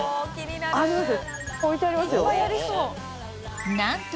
あります？